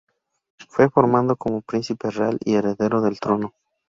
Fue formado como Príncipe real y heredero del trono.